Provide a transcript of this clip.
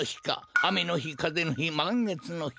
あめのひかぜのひまんげつのひ。